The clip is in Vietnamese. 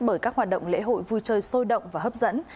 bởi các hoạt động lễ hội vui chơi sôi động và hấp dẫn